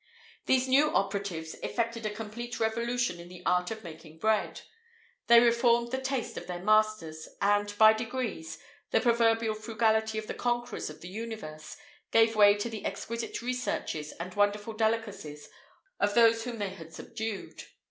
[IV 48] These new operatives effected a complete revolution in the art of making bread: they reformed the taste of their masters, and, by degrees, the proverbial frugality of the conquerors of the universe gave way to the exquisite researches and wonderful delicacies of those whom they had subdued.